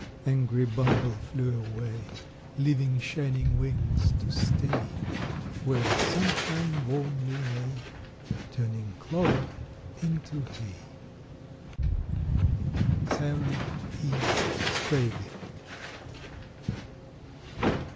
Angry Bumble flew away, Leaving Shining Wings to stay Where the sunshine warmly lay, Turning clover into hay. Sarah E. Sprague.